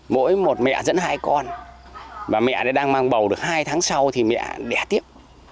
mỗi một mẹ dẫn hai con và mẹ đang mang bầu được hai tháng sau thì mẹ đẻ tiếp